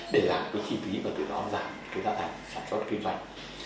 để giảm cái chi phí và từ đó giảm cái giá thành sản xuất kinh doanh